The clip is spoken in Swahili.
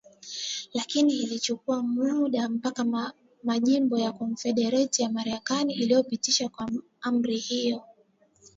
Lakini ilichukua muda mpaka Majimbo ya Konfedereti ya Marekani yalipositisha kwa amri hiyo .